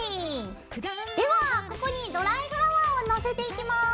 ではここにドライフラワーをのせていきます。